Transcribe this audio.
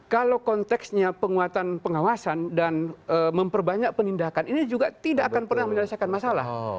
kalau konteksnya penguatan pengawasan dan memperbanyak penindakan ini juga tidak akan pernah menyelesaikan masalah